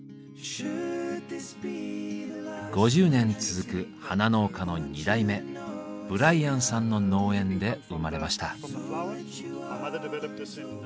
５０年続く花農家の二代目ブライアンさんの農園で生まれました。